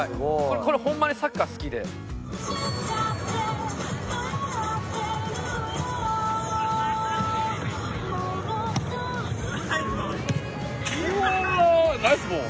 「これホンマにサッカー好きで」うわーナイスボール！